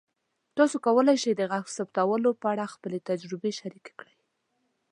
تاسو کولی شئ د غږ ثبتولو په اړه خپلې تجربې شریکې کړئ.